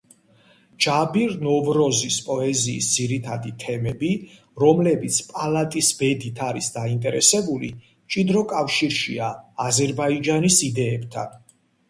ჯაბირ ნოვროზის პოეზიის ძირითადი თემები, რომლებიც პალატის ბედით არის დაინტერესებული, მჭიდრო კავშირშია აზერბაიჯანის იდეებთან.